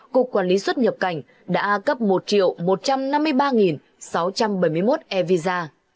cục quản lý xuất nhập cảnh đã cấp một một trăm năm mươi ba sáu trăm bảy mươi một e visa